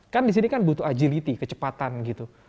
kan di sini kan butuh agility kecepatan gitu